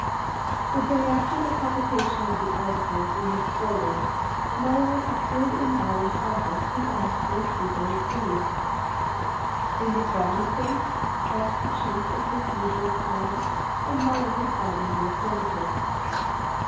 The day after the publication of the article we have quoted, Muller appeared in Bauer's office and asked for a few days' leave. "In the Fellner case?" asked the Chief with his usual calm, and Muller replied in the affirmative.